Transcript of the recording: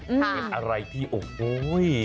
มีอะไรที่โอ้โฮ้ย